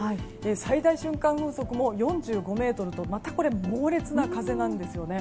最大瞬間風速も４５メートルとまたこれ猛烈な風なんですよね。